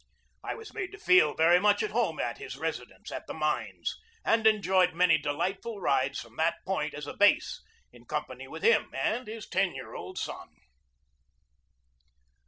I was made to feel very much at home at his residence at the mines, and enjoyed many delightful rides from that point as a base, in company with him and his ten year old son.